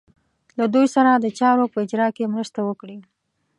له دوی سره د چارو په اجرا کې مرسته وکړي.